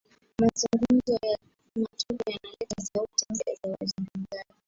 mazungumzo ya tepu yanaleta sauti mpya za wazungumzaji